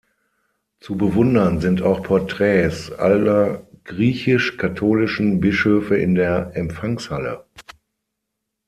Zu bewundern sind auch Porträts aller griechisch-katholischen Bischöfe in der Empfangshalle.